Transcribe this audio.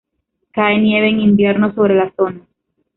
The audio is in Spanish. Cae nieve en invierno sobre la zona.